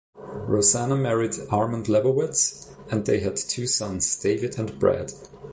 Rozanna married Armond Lebowitz and they had two sons, David and Brad.